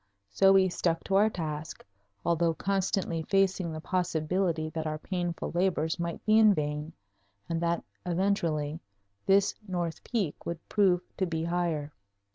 So we stuck to our task, although constantly facing the possibility that our painful labors might be in vain and that eventually, this north peak would prove to be higher.